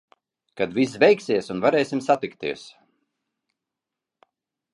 Kad viss beigsies un varēsim satikties.